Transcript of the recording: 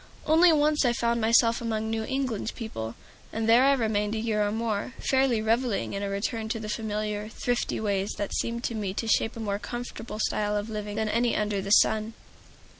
Only once I found myself among New England people, and there I remained a year or more, fairly reveling in a return to the familiar, thrifty ways that seem to me to shape a more comfortable style of living than any under the sun.